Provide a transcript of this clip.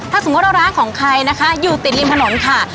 ถ้าสมมุติว่าร้านของใครนะคะอยู่ติดริมถนนค่ะ